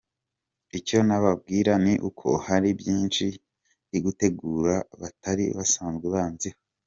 Icyo nababwira ni uko hari byinshi ndigutegura batari basanzwe banziho.